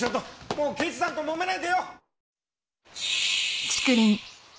もう刑事さんともめないでよ！